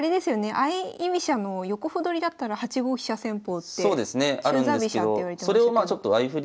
相居飛車の横歩取りだったら８五飛車戦法って中座飛車っていわれてましたけど。